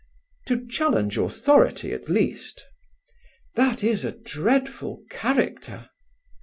"To challenge authority, at least." "That is a dreadful character."